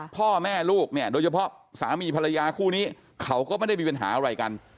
พ่อแม่ลูกเนี่ยโดยเฉพาะสามีภรรยาคู่นี้เขาก็ไม่ได้มีปัญหาอะไรกัน